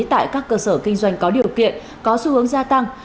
tại các cơ sở kinh doanh có điều kiện có xu hướng gia tăng